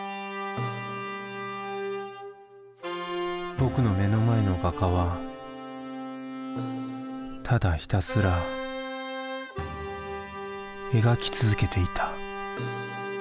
僕の目の前の画家はただひたすら描き続けていた。